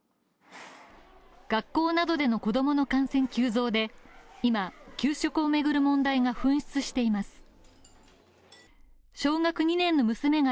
学校などでの子供の感染急増で今、給食を巡る問題が噴出しています。